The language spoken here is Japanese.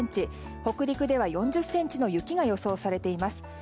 北陸では４０ｃｍの雪が予想されています。